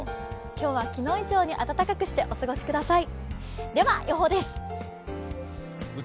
今日は昨日以上にあたたかくしてお過ごしください。